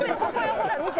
ほら見て！